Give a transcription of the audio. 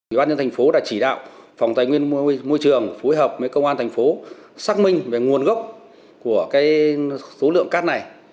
ủy ban nhân thành phố đã chỉ đạo phòng tài nguyên môi trường phối hợp với công an thành phố xác minh về nguồn gốc của số lượng cát này